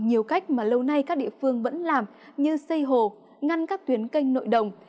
nhiều cách mà lâu nay các địa phương vẫn làm như xây hồ ngăn các tuyến canh nội đồng